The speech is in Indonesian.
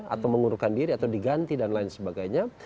atau mengurukan diri atau diganti dan lain sebagainya